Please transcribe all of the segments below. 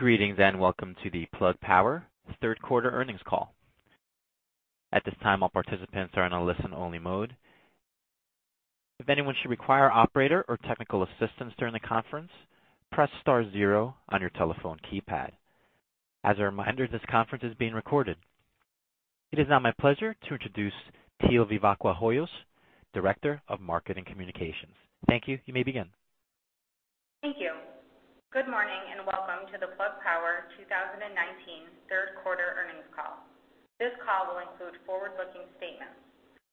Greetings, and welcome to the Plug Power third quarter earnings call. At this time, all participants are in a listen-only mode. If anyone should require operator or technical assistance during the conference, press star zero on your telephone keypad. As a reminder, this conference is being recorded. It is now my pleasure to introduce Teal Vivacqua Hoyos, Director of Marketing Communications. Thank you. You may begin. Thank you. Good morning, welcome to the Plug Power 2019 third quarter earnings call. This call will include forward-looking statements.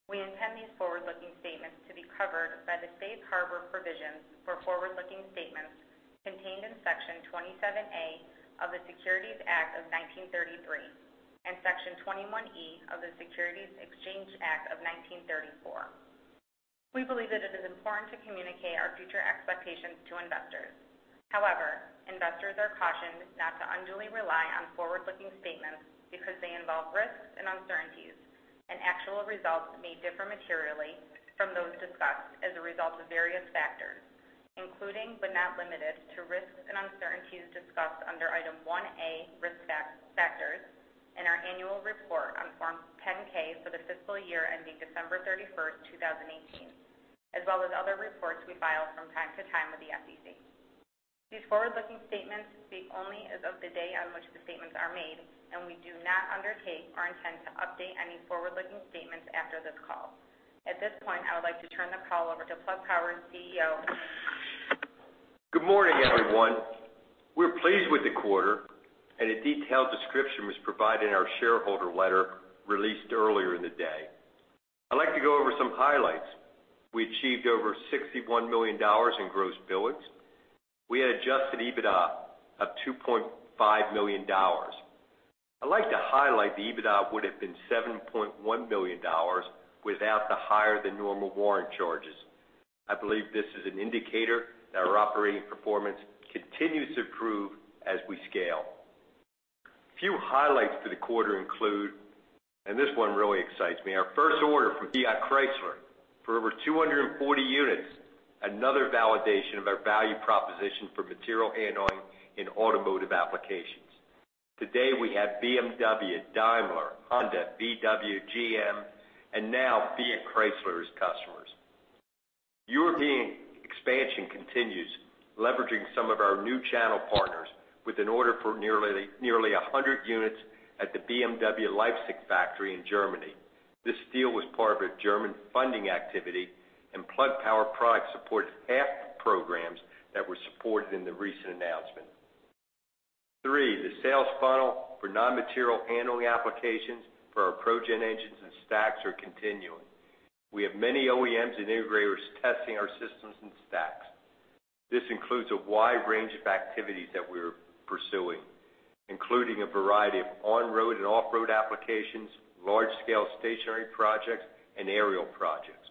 We intend these forward-looking statements to be covered by the safe harbor provisions for forward-looking statements contained in Section 27A of the Securities Act of 1933 and Section 21E of the Securities Exchange Act of 1934. We believe that it is important to communicate our future expectations to investors. Investors are cautioned not to unduly rely on forward-looking statements because they involve risks and uncertainties, and actual results may differ materially from those discussed as a result of various factors, including but not limited to risks and uncertainties discussed under Item 1A, Risk Factors, in our annual report on Form 10-K for the fiscal year ending December 31st, 2018, as well as other reports we file from time to time with the SEC. These forward-looking statements speak only as of the day on which the statements are made, and we do not undertake or intend to update any forward-looking statements after this call. At this point, I would like to turn the call over to Plug Power's CEO. Good morning, everyone. We're pleased with the quarter, and a detailed description was provided in our shareholder letter released earlier in the day. I'd like to go over some highlights. We achieved over $61 million in gross billings. We had Adjusted EBITDA of $2.5 million. I'd like to highlight the EBITDA would've been $7.1 million without the higher than normal warrant charges. I believe this is an indicator that our operating performance continues to improve as we scale. A few highlights for the quarter include, and this one really excites me, our first order from Fiat Chrysler for over 240 units, another validation of our value proposition for material handling in automotive applications. Today, we have BMW, Daimler, Honda, VW, GM, and now Fiat Chrysler as customers. European expansion continues, leveraging some of our new channel partners with an order for nearly 100 units at the BMW Leipzig factory in Germany. This deal was part of a German funding activity and Plug Power products support 1/2 the programs that were supported in the recent announcement. Three, the sales funnel for Non-Material Handling applications for our ProGen engines and stacks are continuing. We have many OEMs and integrators testing our systems and stacks. This includes a wide range of activities that we're pursuing, including a variety of on-road and off-road applications, large-scale stationary projects, and aerial projects.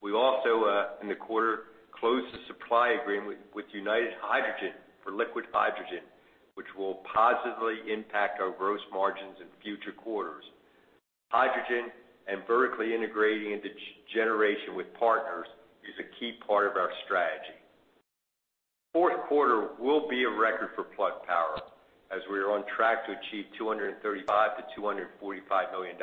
We also, in the quarter, closed a supply agreement with United Hydrogen for liquid hydrogen, which will positively impact our gross margins in future quarters. Hydrogen and vertically integrating into generation with partners is a key part of our strategy. Fourth quarter will be a record for Plug Power as we are on track to achieve $235 million-$245 million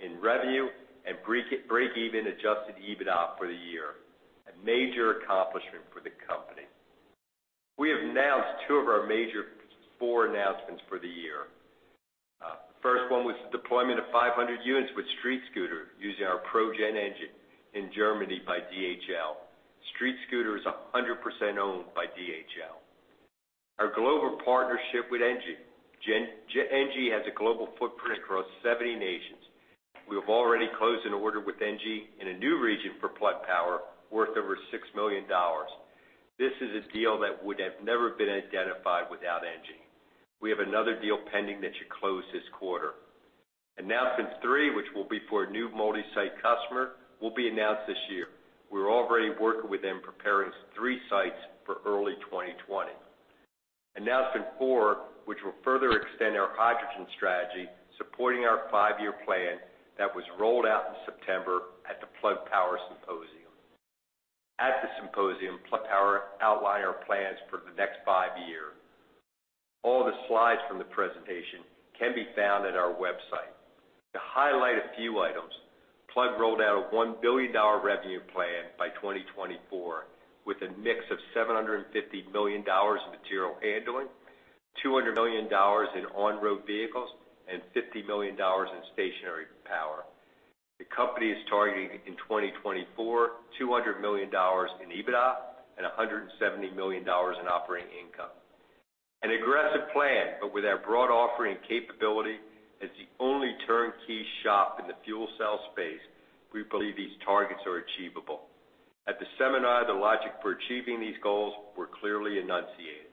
in revenue and break-even Adjusted EBITDA for the year, a major accomplishment for the company. We have announced two of our major four announcements for the year. First one was the deployment of 500 units with StreetScooter using our ProGen engine in Germany by DHL. StreetScooter is 100% owned by DHL. Our global partnership with ENGIE. ENGIE has a global footprint across 70 nations. We have already closed an order with ENGIE in a new region for Plug Power worth over $6 million. This is a deal that would have never been identified without ENGIE. We have another deal pending that should close this quarter. Announcement three, which will be for a new multi-site customer, will be announced this year. We're already working with them, preparing three sites for early 2020. Announcement four, which will further extend our Hydrogen Strategy, supporting our five-year plan that was rolled out in September at the Plug Symposium. At the symposium, Plug Power outlined our plans for the next five year. All the slides from the presentation can be found at our website. To highlight a few items, Plug rolled out a $1 billion revenue plan by 2024, with a mix of $750 million in Material Handling, $200 million in On-Road Vehicles, and $50 million in Stationary Power. The company is targeting, in 2024, $200 million in EBITDA and $170 million in operating income. An aggressive plan, but with our broad offering capability as the only turnkey shop in the fuel cell space, we believe these targets are achievable. At the seminar, the logic for achieving these goals were clearly enunciated.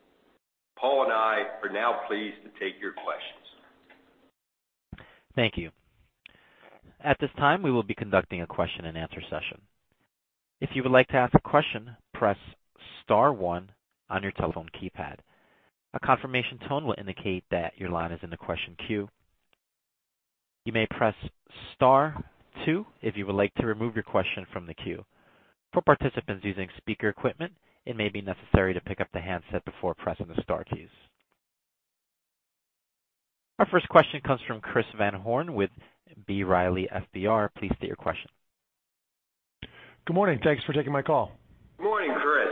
Paul and I are now pleased to take your questions. Thank you. At this time, we will be conducting a question and answer session. If you would like to ask a question, press star one on your telephone keypad. A confirmation tone will indicate that your line is in the question queue. You may press star two if you would like to remove your question from the queue. For participants using speaker equipment, it may be necessary to pick up the handset before pressing the star keys. Our first question comes from Chris van Horn with B. Riley FBR. Please state your question. Good morning. Thanks for taking my call. Good morning, Chris.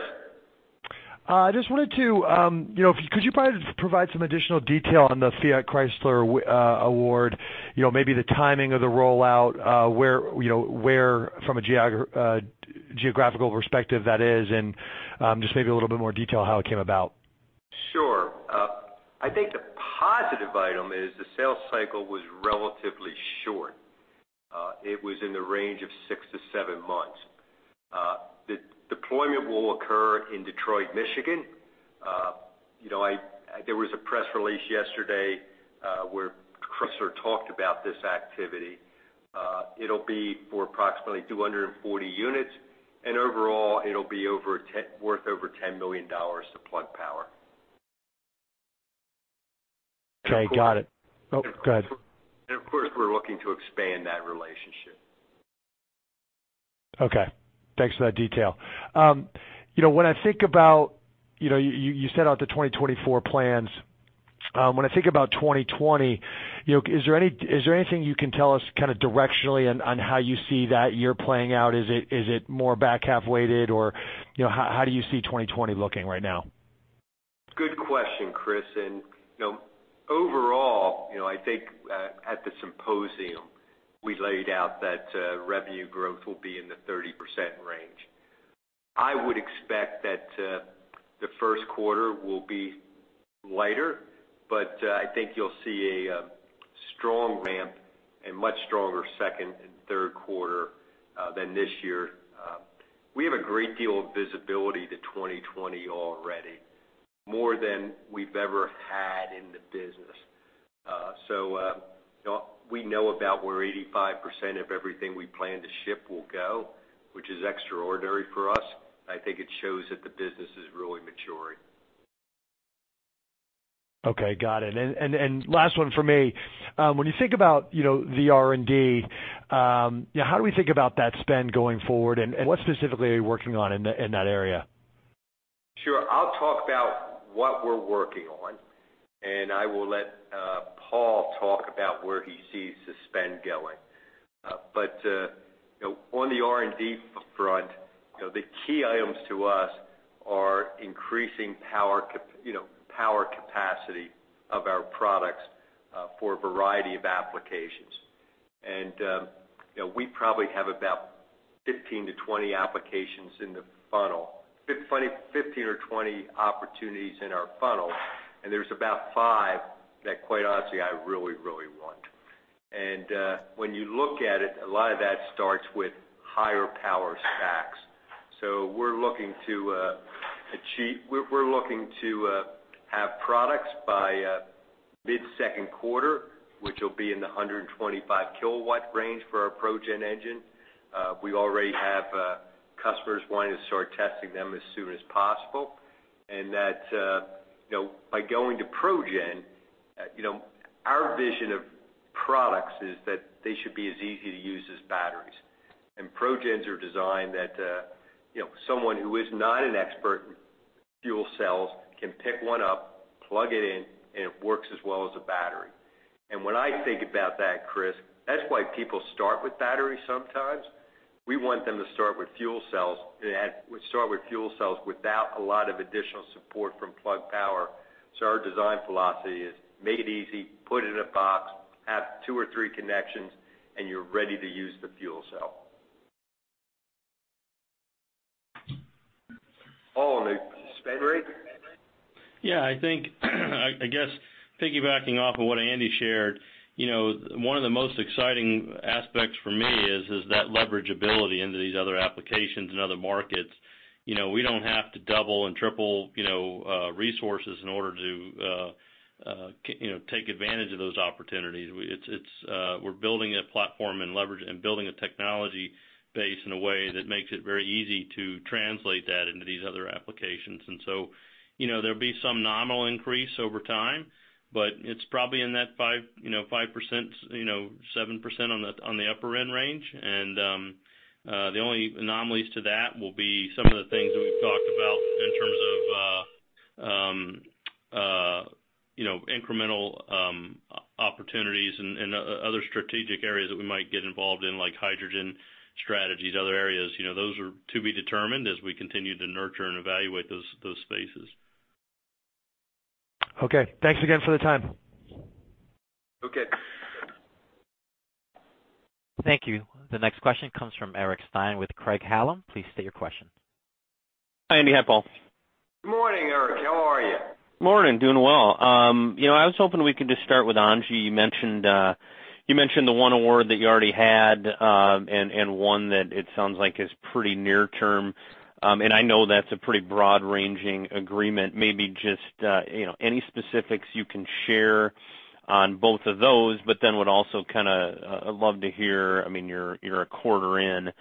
Could you provide some additional detail on the Fiat Chrysler award? Maybe the timing of the rollout where from a geographical perspective that is, and just maybe a little bit more detail how it came about. Sure. I think the positive item is the sales cycle was relatively short. It was in the range of six to seven months. The deployment will occur in Detroit, Michigan. There was a press release yesterday where Chrysler talked about this activity. It'll be for approximately 240 units, and overall it'll be worth over $10 million to Plug Power. Okay. Got it. Go ahead. Of course, we're looking to expand that relationship. Okay. Thanks for that detail. When I think about, you set out the 2024 plans. When I think about 2020, is there anything you can tell us directionally on how you see that year playing out? Is it more back half weighted or how do you see 2020 looking right now? Good question, Chris. Overall, I think at the Symposium, we laid out that revenue growth will be in the 30% range. I would expect that the first quarter will be lighter, but I think you'll see a strong ramp and much stronger second and third quarter than this year. We have a great deal of visibility to 2020 already, more than we've ever had in the business. We know about where 85% of everything we plan to ship will go, which is extraordinary for us. I think it shows that the business is really maturing. Okay. Got it. Last one from me, when you think about the R&D how do we think about that spend going forward, and what specifically are you working on in that area? Sure. I'll talk about what we're working on, and I will let Paul talk about where he sees the spend going. On the R&D front, the key items to us are increasing power capacity of our products for a variety of applications. I probably have about 15-20 applications in the funnel, 15 or 20 opportunities in our funnel, and there's about five that quite honestly I really, really want. When you look at it, a lot of that starts with higher power stacks. We're looking to have products by mid-second quarter, which will be in the 125 kW range for our ProGen engine. We already have customers wanting to start testing them as soon as possible, and that by going to ProGen, our vision of products is that they should be as easy to use as batteries. ProGens are designed that someone who is not an expert in fuel cells can pick one up, plug it in, and it works as well as a battery. When I think about that, Chris, that's why people start with batteries sometimes. We want them to start with fuel cells without a lot of additional support from Plug Power. Our design philosophy iis make it easy, put it in a box, have two or three connections, and you're ready to use the fuel cell. Paul, on the spend rate? Yeah, I think, I guess piggybacking off of what Andy shared, one of the most exciting aspects for me is that leverage ability into these other applications and other markets. We don't have to double and triple resources in order to take advantage of those opportunities. We're building a platform and leverage and building a technology base in a way that makes it very easy to translate that into these other applications. So, there'll be some nominal increase over time, but it's probably in that 5%-7% on the upper end range. The only anomalies to that will be some of the things that we've talked about in terms of incremental opportunities and other strategic areas that we might get involved in, like Hydrogen Strategies, other areas. Those are to be determined as we continue to nurture and evaluate those spaces. Okay. Thanks again for the time. Okay. Thank you. The next question comes from Eric Stine with Craig-Hallum. Please state your question. Hi, Andy. Hi, Paul. Good morning, Eric. How are you? Morning. Doing well. I was hoping we could just start with Andy. You mentioned the one award that you already had and one that it sounds like is pretty near-term. I know that's a pretty broad-ranging agreement. Maybe just any specifics you can share on both of those, but then would also love to hear, you're a quarter in,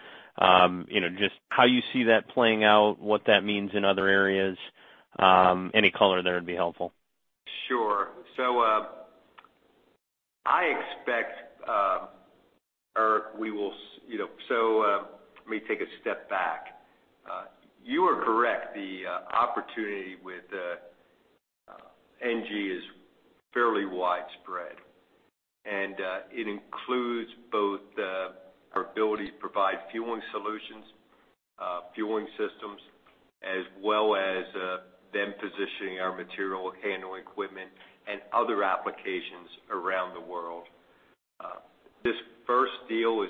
just how you see that playing out, what that means in other areas. Any color there would be helpful. Sure. Let me take a step back. You are correct. The opportunity with ENGIE is fairly widespread, and it includes both our ability to provide fueling solutions, fueling systems, as well as them positioning our Material Handling equipment and other applications around the world. This first deal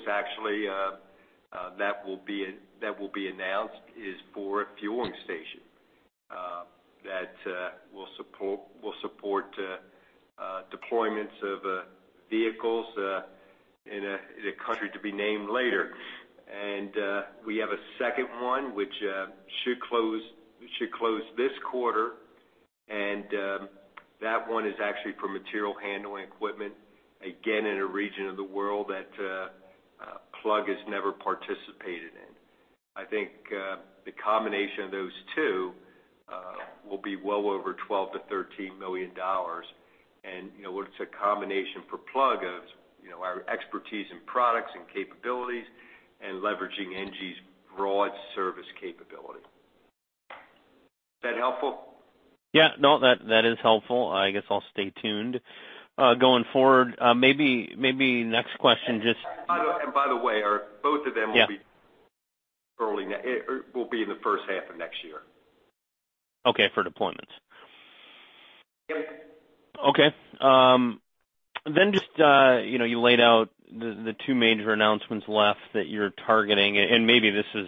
that will be announced is for a fueling station that will support deployments of vehicles in a country to be named later. We have a second one, which should close this quarter, and that one is actually for Material Handling equipment, again, in a region of the world that Plug has never participated in. I think the combination of those two will be well over $12 million-$13 million. It's a combination for Plug of our expertise in products and capabilities and leveraging ENGIE's broad service capability. That helpful? Yeah. No, that is helpful. I guess I'll stay tuned. Going forward, maybe next question. by the way, both of them early. It will be in the first half of next year. Okay. For deployments. Yes. Okay. Just, you laid out the two major announcements left that you're targeting, and maybe this is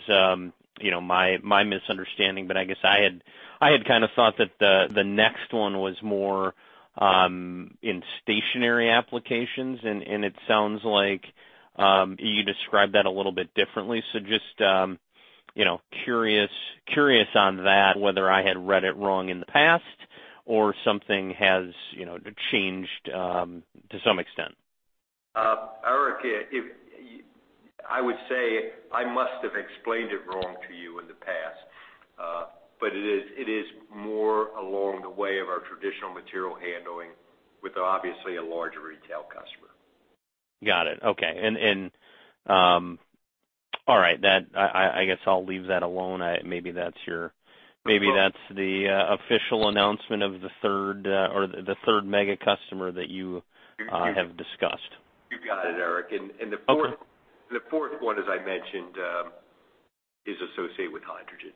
my misunderstanding, but I guess I had kind of thought that the next one was more in Stationary Applications, and it sounds like you described that a little bit differently. Just curious on that, whether I had read it wrong in the past or something has changed to some extent. Eric, I would say I must have explained it wrong to you in the past. It is more along the way of our traditional Material Handling with obviously a larger retail customer. Got it. Okay. All right, I guess I'll leave that alone. Maybe that's the official announcement of the third mega customer that you have discussed. You got it, Eric. The fourth one, as I mentioned, is associated with Hydrogen.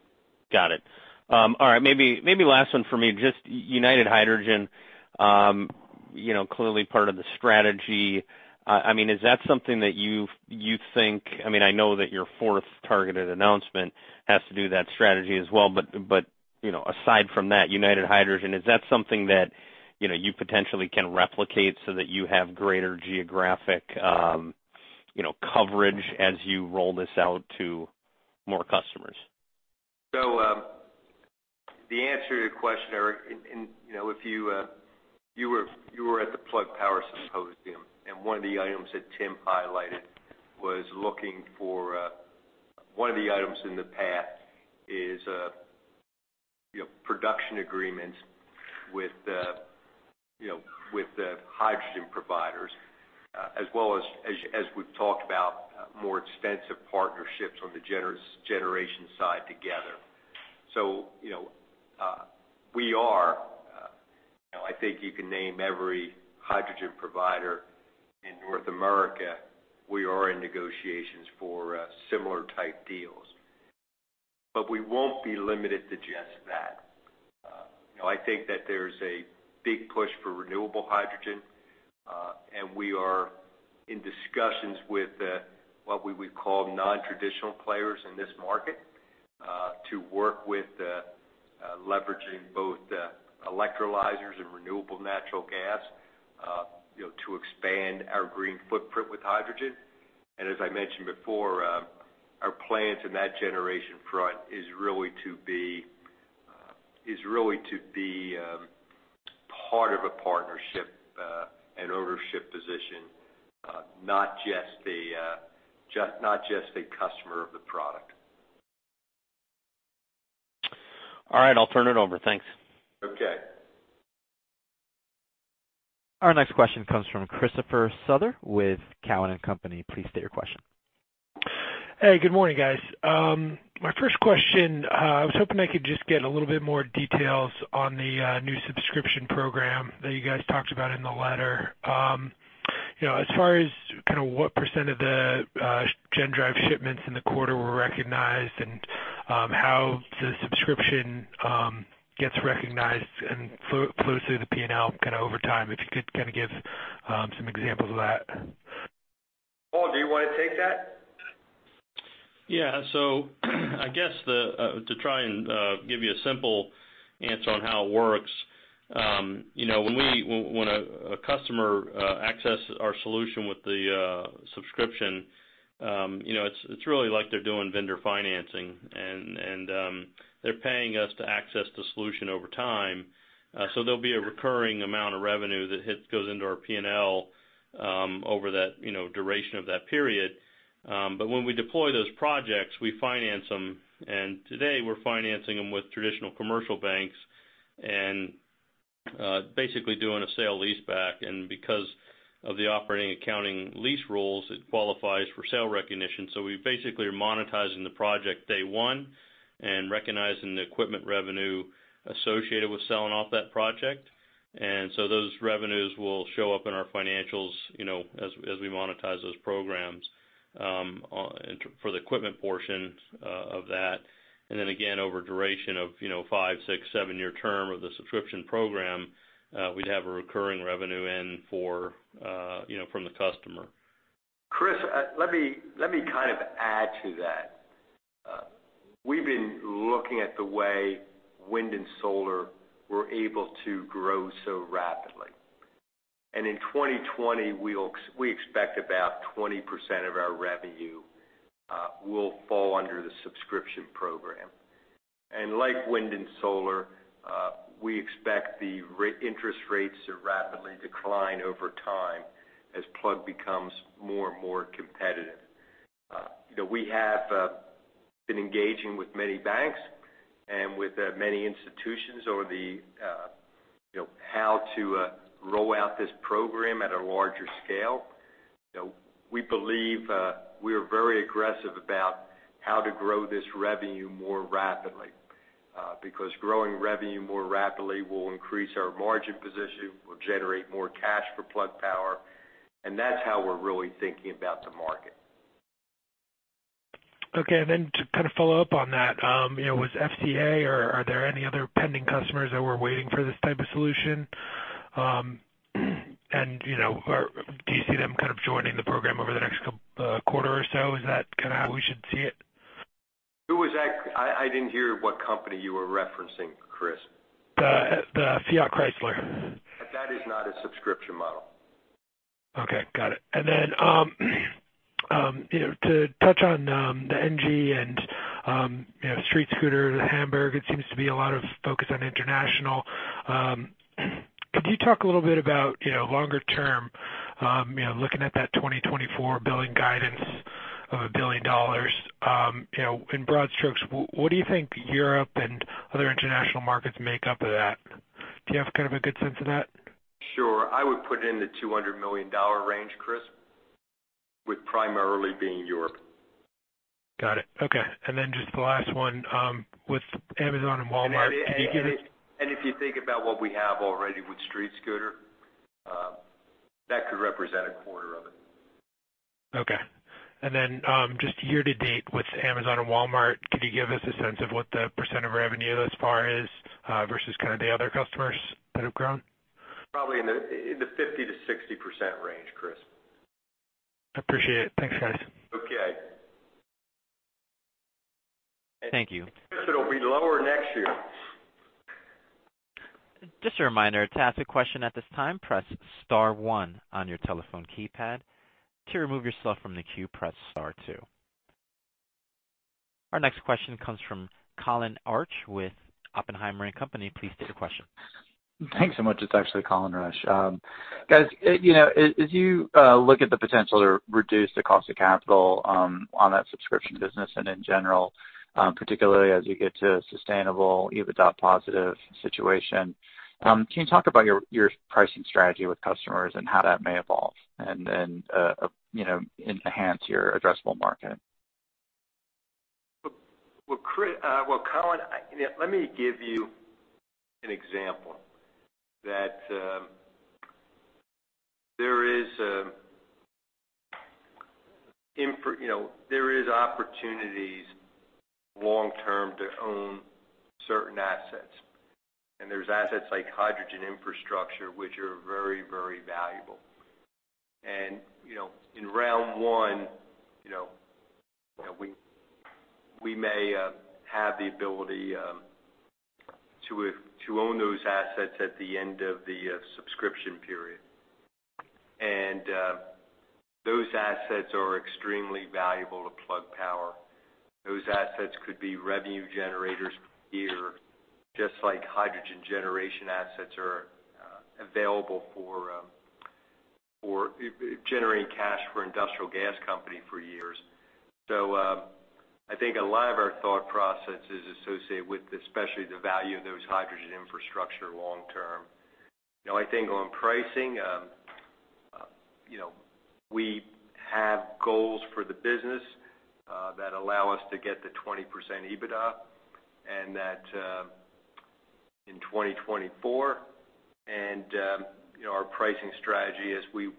Got it. All right. Maybe last one for me, just United Hydrogen, clearly part of the strategy. I mean is that something that you think -- I mean I know that your fourth targeted announcement has to do that strategy as well. But Aside from that, United Hydrogen, is that something that you potentially can replicate so that you have greater geographic coverage as you roll this out to more customers? The answer to your question, Eric, you were at the Plug Power Symposium, and one of the items that Tim highlighted was looking for one of the items in the past is production agreements with hydrogen providers, as well as we've talked about more extensive partnerships on the generation side together. I think you can name every hydrogen provider in North America. We are in negotiations for similar type deals. We won't be limited to just that. I think that there's a big push for renewable hydrogen, and we are in discussions with what we would call non-traditional players in this market to work with leveraging both electrolyzers and renewable natural gas to expand our green footprint with hydrogen. As I mentioned before, our plans in that generation front is really to be part of a partnership, an ownership position, not just a customer of the product. All right. I'll turn it over. Thanks. Okay. Our next question comes from Christopher Souther with Cowen and Company. Please state your question. Hey, good morning, guys. My first question, I was hoping I could just get a little bit more details on the new subscription program that you guys talked about in the letter. As far as what percent of the GenDrive shipments in the quarter were recognized and how the subscription gets recognized and flows through the P&L over time, if you could give some examples of that. Paul, do you want to take that? I guess to try and give you a simple answer on how it works. When a customer accesses our solution with the subscription, it's really like they're doing vendor financing and they're paying us to access the solution over time. There'll be a recurring amount of revenue that goes into our P&L over that duration of that period. When we deploy those projects, we finance them, and today we're financing them with traditional commercial banks and basically doing a sale-lease back. Because of the operating accounting lease rules, it qualifies for sale recognition. We basically are monetizing the project day one and recognizing the equipment revenue associated with selling off that project. Those revenues will show up in our financials as we monetize those programs for the equipment portions of that. Then again, over the duration of five, six, seven-year term of the Subscription Program, we'd have a recurring revenue in from the customer. Chris, let me kind of add to that. We've been looking at the way wind and solar were able to grow so rapidly. In 2020, we expect about 20% of our revenue will fall under the Subscription Program. Like wind and solar, we expect the interest rates to rapidly decline over time as Plug becomes more and more competitive. We have been engaging with many banks and with many institutions over how to roll out this program at a larger scale. We believe we are very aggressive about how to grow this revenue more rapidly. Growing revenue more rapidly will increase our margin position, will generate more cash for Plug Power, and that's how we're really thinking about the market. To kind of follow up on that, was FCA or are there any other pending customers that were waiting for this type of solution? Do you see them kind of joining the program over the next quarter or so? Is that kind of how we should see it? Who was that? I didn't hear what company you were referencing, Chris. The Fiat Chrysler. That is not a subscription model. Okay, got it. Then to touch on the ENGIE and StreetScooter, the Hamburg, it seems to be a lot of focus on international. Could you talk a little bit about longer term, looking at that 2024 billing guidance of $1 billion. In broad strokes, what do you think Europe and other international markets make up of that? Do you have kind of a good sense of that? Sure. I would put it in the $200 million range, Chris, with primarily being Europe. Got it. Okay. Just the last one, with Amazon and Walmart, could you give us. If you think about what we have already with StreetScooter, that could represent a quarter of it. Okay. Just year-to-date with Amazon and Walmart, could you give us a sense of what the percent of revenue thus far is versus kind of the other customers that have grown? Probably in the 50%-60% range, Chris. Appreciate it. Thanks, guys. Okay. Thank you. Chris, it'll be lower next year. Just a reminder, to ask a question at this time, press star one on your telephone keypad. To remove yourself from the queue, press star two. Our next question comes from Colin Rusch with Oppenheimer & Company. Please state your question. Thanks so much. It's actually Colin Rusch. Guys, as you look at the potential to reduce the cost of capital on that Subscription business and in general, particularly as you get to a sustainable EBITDA positive situation, can you talk about your pricing strategy with customers and how that may evolve and enhance your addressable market? Well, Colin, let me give you an example that there is opportunities long-term to own certain assets. There's assets like hydrogen infrastructure, which are very, very valuable. In round one, we may have the ability to own those assets at the end of the subscription period. Those assets are extremely valuable to Plug Power. Those assets could be revenue generators for years, just like Hydrogen Generation assets are available for generating cash for industrial gas company for years. I think a lot of our thought process is associated with, especially the value of those hydrogen infrastructure long-term. I think on pricing, we have goals for the business that allow us to get to 20% EBITDA, and that in 2024. Our pricing strategy as we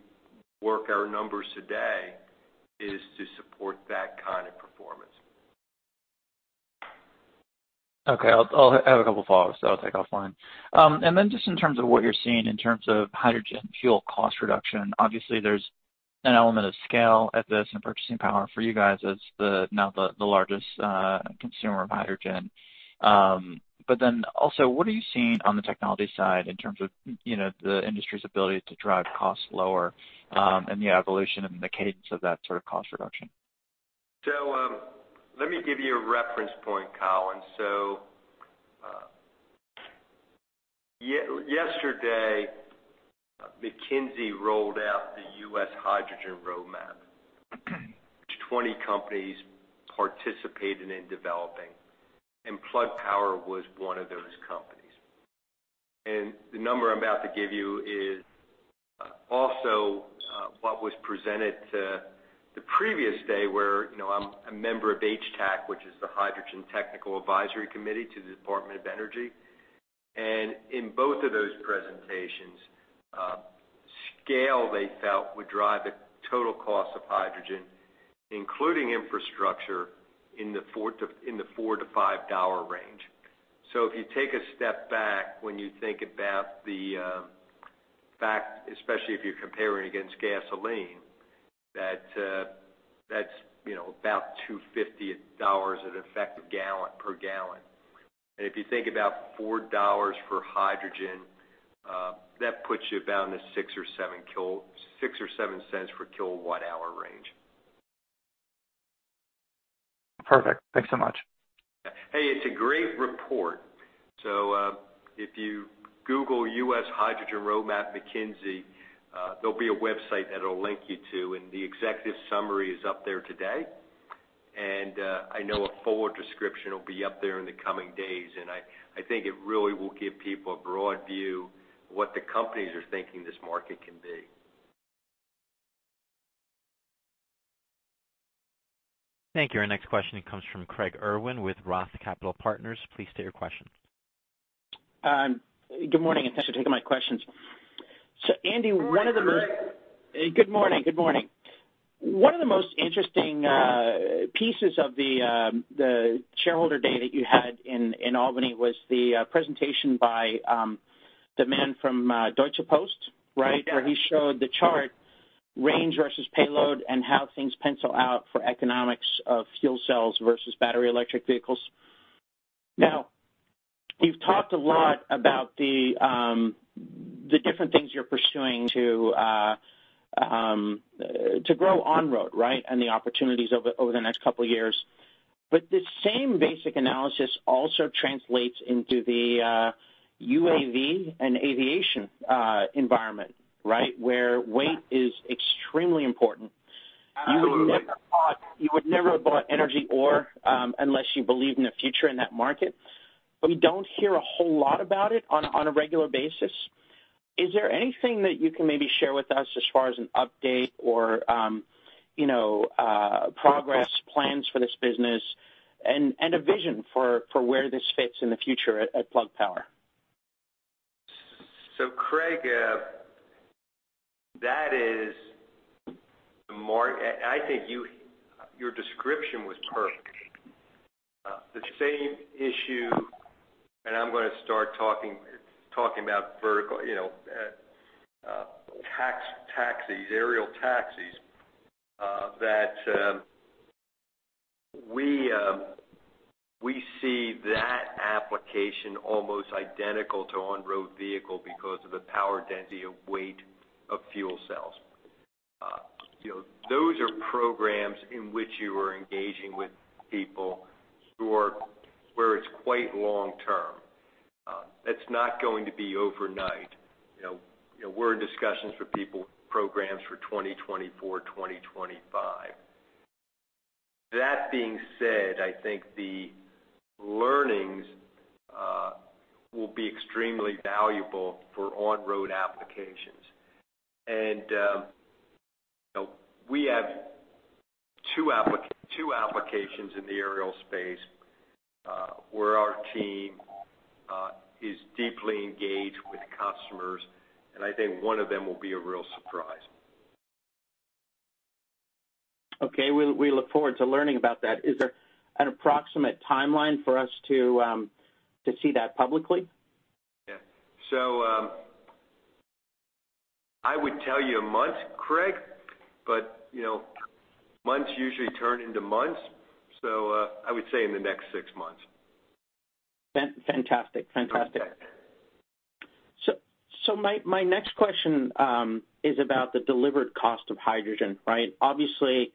work our numbers today is to support that kind of performance. Okay. I have a couple follow-ups that I'll take offline. Just in terms of what you're seeing in terms of hydrogen fuel cost reduction, obviously there's an element of scale at this and purchasing power for you guys as the largest consumer of hydrogen. What are you seeing on the technology side in terms of the industry's ability to drive costs lower and the evolution and the cadence of that sort of cost reduction? Let me give you a reference point, Colin. Yesterday, McKinsey rolled out the U.S. Hydrogen Roadmap. Which 20 companies participated in developing, and Plug Power was one of those companies. The number I'm about to give you is also what was presented the previous day where I'm a member of HTAC, which is the Hydrogen Technical Advisory Committee to the Department of Energy. In both of those presentations, scale, they felt, would drive the total cost of hydrogen, including infrastructure, in the $4-$5 range. If you take a step back, when you think about the fact, especially if you're comparing against gasoline, that's about $2.50 an effective per gallon. If you think about $4 for hydrogen, that puts you about in the $0.06 or $0.07 per kilowatt hour range. Perfect. Thanks so much. Hey, it's a great report. If you Google U.S. Hydrogen Roadmap McKinsey, there'll be a website that it'll link you to, and the executive summary is up there today. I know a full description will be up there in the coming days, and I think it really will give people a broad view of what the companies are thinking this market can be. Thank you. Our next question comes from Craig Irwin with Roth Capital Partners. Please state your question. Good morning, and thanks for taking my questions. Andy, one of the most- Good morning, Craig. Good morning. One of the most interesting pieces of the shareholder day that you had in Albany was the presentation by the man from Deutsche Post, right? Where he showed the chart, range versus payload and how things pencil out for economics of fuel cells versus battery electric vehicles. You've talked a lot about the different things you're pursuing to grow on-road, right? The opportunities over the next couple of years. The same basic analysis also translates into the UAV and aviation environment, right? Where wind is extremely important. You would never have bought EnergyOr unless you believe in a future in that market. We don't hear a whole lot about it on a regular basis. Is there anything that you can maybe share with us as far as an update or progress, plans for this business, and a vision for where this fits in the future at Plug Power? Craig, I think your description was perfect. The same issue, I'm going to start talking about vertical taxis, aerial taxis, that we see that application almost identical to On-Road Vehicle because of the power density of weight of fuel cells. Those are programs in which you are engaging with people where it's quite long-term. That's not going to be overnight. We're in discussions for people with programs for 2024, 2025. That being said, I think the learnings will be extremely valuable for on-road applications. We have two applications in the aerial space where our team is deeply engaged with customers, I think one of them will be a real surprise. Okay. We look forward to learning about that. Is there an approximate timeline for us to see that publicly? Yeah. I would tell you a month, Craig, but months usually turn into months, so I would say in the next six months. Fantastic. My next question is about the delivered cost of hydrogen, right? Obviously,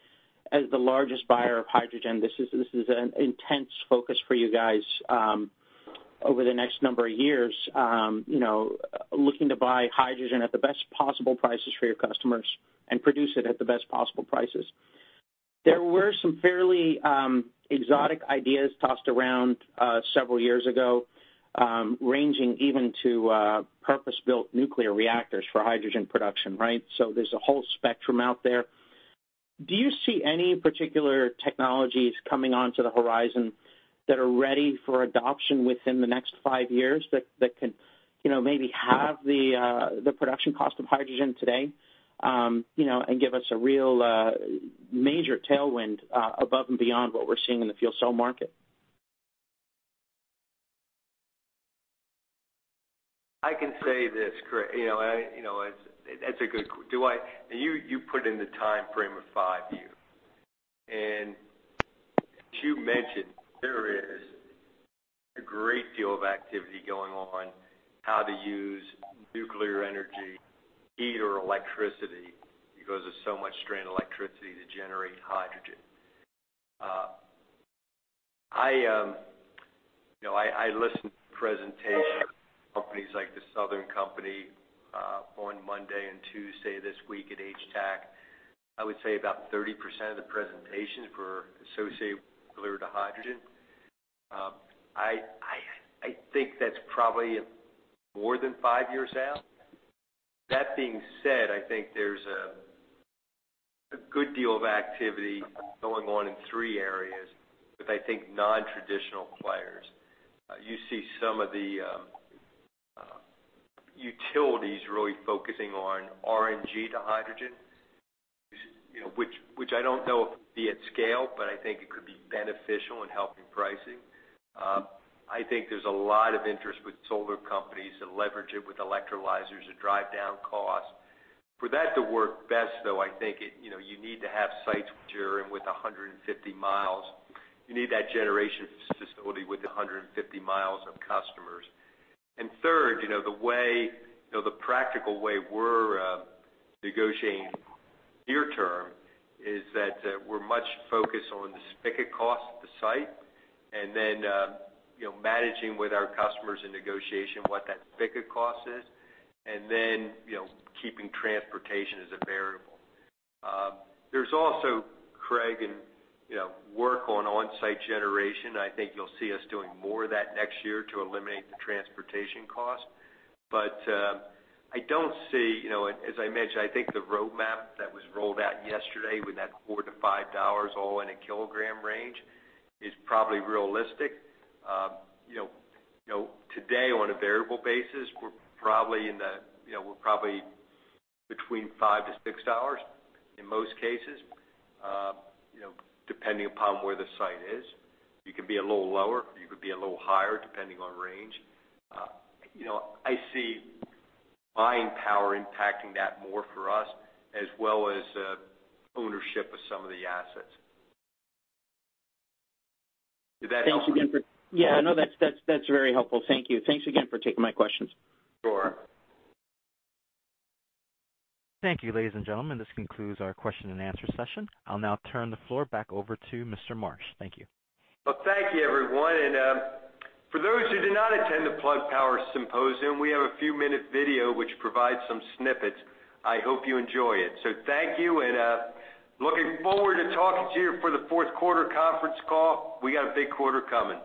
as the largest buyer of hydrogen, this is an intense focus for you guys over the next number of years, looking to buy hydrogen at the best possible prices for your customers and produce it at the best possible prices. There were some fairly exotic ideas tossed around several years ago, ranging even to purpose-built nuclear reactors for hydrogen production, right? There's a whole spectrum out there. Do you see any particular technologies coming onto the horizon that are ready for adoption within the next five years that can maybe halve the production cost of hydrogen today, and give us a real major tailwind above and beyond what we're seeing in the fuel cell market? I can say this, Craig. You put in the time frame of five years. As you mentioned, there is a great deal of activity going on how to use nuclear energy, heat, or electricity, because there's so much strain on electricity to generate hydrogen. I listen to presentations from companies like the Southern Company on Monday and Tuesday this week at HTAC. I would say about 30% of the presentations were associated with regard to hydrogen. I think that's probably more than five years out. That being said, I think there's a good deal of activity going on in three areas with, I think, non-traditional players. You see some of the utilities really focusing on RNG to hydrogen, which I don't know if it'd be at scale, but I think it could be beneficial in helping pricing. I think there's a lot of interest with solar companies to leverage it with electrolyzers to drive down costs. For that to work best, though, I think you need to have sites which are in with 150 mi. You need that generation facility within 150 mi of customers. Third, the practical way we're negotiating near-term is that we're much focused on the spigot cost at the site, then managing with our customers in negotiation what that spigot cost is. Then keeping transportation as a variable. There's also, Craig, work on on-site generation. I think you'll see us doing more of that next year to eliminate the transportation cost. I don't see, as I mentioned, I think the Road Map that was rolled out yesterday with that $4-$5 all-in a kilogram range is probably realistic. Today, on a variable basis, we're probably between $5-$6 in most cases, depending upon where the site is. You could be a little lower or you could be a little higher, depending on range. I see buying power impacting that more for us, as well as ownership of some of the assets. Did that help? Yeah, no, that's very helpful. Thank you. Thanks again for taking my questions. Sure. Thank you, ladies and gentlemen, this concludes our question and answer session. I'll now turn the floor back over to Mr. Marsh. Thank you. Well, thank you everyone, and for those who did not attend the Plug Symposium, we have a few minute video which provides some snippets. I hope you enjoy it. Thank you, and looking forward to talking to you for the fourth quarter conference call. We got a big quarter coming.